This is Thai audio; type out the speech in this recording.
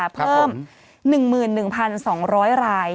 เพิ่ม๑๑๒๐๐ราย